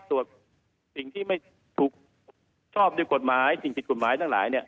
ตรวจสิ่งที่ไม่ถูกชอบด้วยกฎหมายสิ่งผิดกฎหมายทั้งหลายเนี่ย